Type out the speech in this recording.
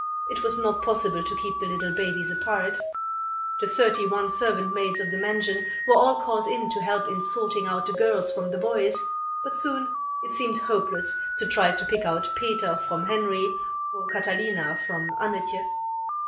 It was not possible to keep the little babies apart. The thirty one servant maids of the mansion were all called in to help in sorting out the girls from the boys; but soon it seemed hopeless to try to pick out Peter from Henry, or Catalina from Annetje.